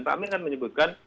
pak amin kan menyebutkan